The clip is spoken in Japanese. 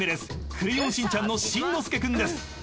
『クレヨンしんちゃん』のしんのすけ君です］